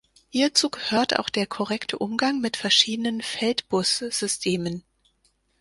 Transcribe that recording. Hierzu gehört auch der korrekte Umgang mit verschiedenen Feldbus-Systemen.